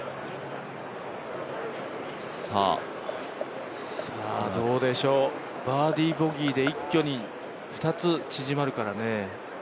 さあどうでしょう、バーディー・ボギーで一挙に２つ縮まるからね。